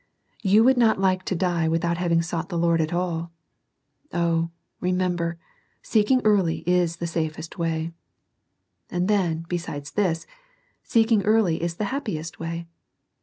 you would not like to die without having sought the Lord at alL Oh, remember, seeking early is the safest way. And then, besides this, seeking early is the happiest way.